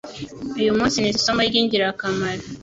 Uyu munsi nize isomo ryingirakamara